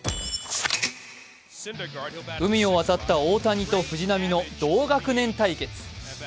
海を渡った大谷と藤浪の同学年対決。